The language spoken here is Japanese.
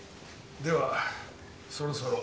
ではそろそろ。